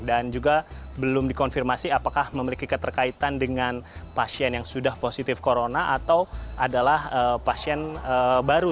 juga belum dikonfirmasi apakah memiliki keterkaitan dengan pasien yang sudah positif corona atau adalah pasien baru